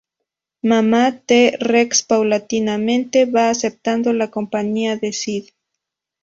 Mamá T. rex paulatinamente va aceptando la compañía de Sid.